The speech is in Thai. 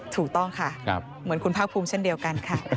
ถูกต้องค่ะเหมือนคุณภาคภูมิเช่นเดียวกันค่ะ